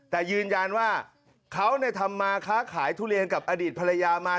แต่ยืนยันว่าเขาทำมาค้าขายทุเรียนกับอดีตภรรยามา